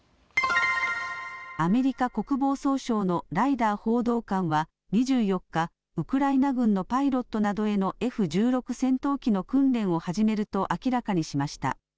アメリカ国防総省のライダー報道官は２４日、ウクライナ軍のパイロットなどへのＦ１６戦闘機の訓練を始めると明らかにしました。